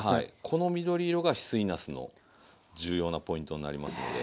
この緑色が翡翠なすの重要なポイントになりますので。